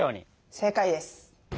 正解です。